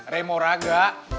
re moraga yang kemarin tumbang